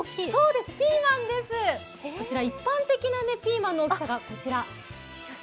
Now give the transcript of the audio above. こちら一般的なピーマンの大きさがこちら。